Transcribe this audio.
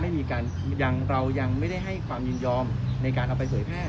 เรายังไม่ได้ให้ความยินยอมในการเอาไปเผยแพร่